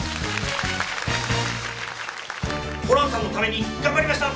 ホランさんのために頑張りました！